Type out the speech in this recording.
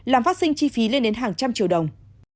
làm phát sinh chi phí lên đến hàng trăm triệu đồng